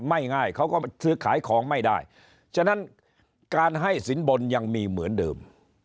ไม่ง่ายเขาก็ซื้อขายของไม่ได้ฉะนั้นการให้สินบนยังมีเหมือนเดิม